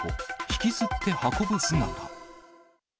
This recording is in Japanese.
引きずって運ぶ姿。